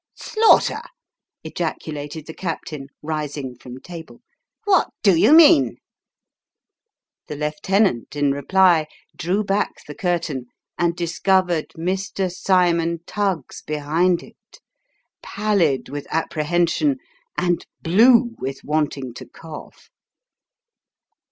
" Slaughter !" ejaculated the captain, rising from table, " what do you mean ?" The lieutenant, in reply, drew back the curtain and discovered Mr. Cymon Tuggs behind it : pallid with apprehension, and blue with wanting to cough.